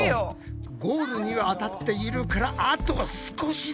ゴールには当たっているからあと少しだ。